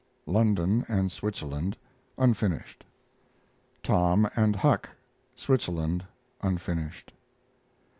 (London and Switzerland) (unfinished). TOM AND HUCK (Switzerland) (unfinished).